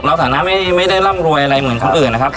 เราสามารถไม่ได้ร่ำรวยอะไรเหมือนครั้งอื่นนะครับ